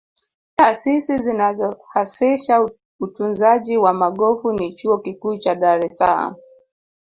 taasisi zinazohasisha utunzaji wa magofu ni chuo Kikuu cha dar es salaam